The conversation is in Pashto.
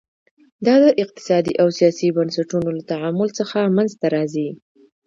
دا د اقتصادي او سیاسي بنسټونو له تعامل څخه منځته راځي.